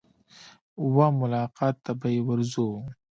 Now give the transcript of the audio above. وه ملاقات ته به يې ورځو.